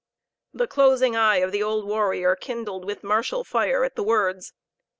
The closing eye of the old warrior kindled with martial fire at the words.